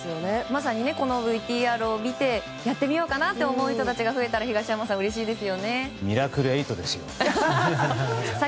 まさにこのＶＴＲを見てやってみようかなって思う人たちが増えたらミラクルエイトですよ。